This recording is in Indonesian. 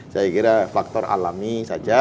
saya kira faktor alami saja